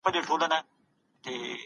هغه خپله ستړيا احساسوي.